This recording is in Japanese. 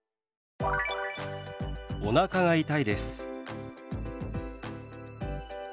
「おなかが痛いです」。